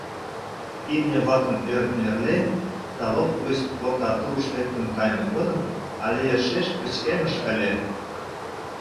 Имне-влакым ӧртньӧрлен, Таловко гыч Порт-Артурыш лектын кайыме годым але йӧршеш пычкемыш ыле...